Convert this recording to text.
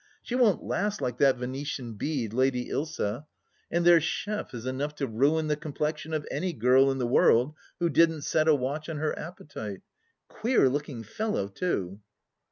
" She won't last like that Venetian Bead, Lady Ilsa. And their chef is enough to ruin the complexion of any girl in the world who didn't set a watch on her appetite. Queer looking fellow, too